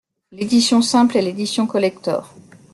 L'édition simple et l'édition collector.